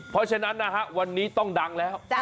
เพราะฉะนั้นนะฮะวันนี้ต้องดังแล้ว